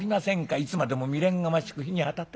いつまでも未練がましく火にあたって。